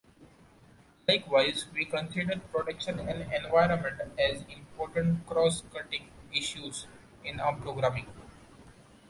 Likewise, we consider protection and environment as important cross-cutting issues in our programming.